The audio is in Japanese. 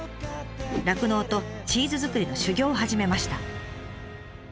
酪農とチーズ作りの修業を始めました。